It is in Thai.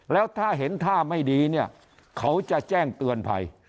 แล้วถ้าเห็นท่าไม่ดีเนี่ยเขาจะแจ้งเตือนภัย